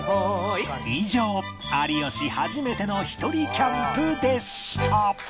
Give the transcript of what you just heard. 以上有吉初めてのひとりキャンプでした